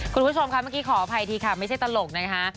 คุณผู้ชมค่ะเมื่อกี้ขออภัยดีค่ะไม่ใช่ตลกนะคะ